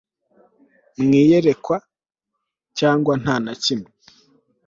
mu iyerekwa, cyangwa nta na kimwe